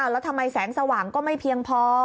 แล้วทำไมแสงสว่างก็ไม่เพียงพอ